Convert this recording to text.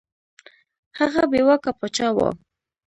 هغه بې واکه پاچا وو.